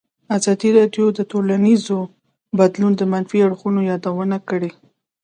ازادي راډیو د ټولنیز بدلون د منفي اړخونو یادونه کړې.